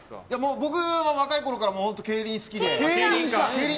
僕は若いころからケイリン好きで。